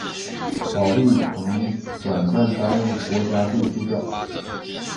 保历曾短暂担任国家队助教。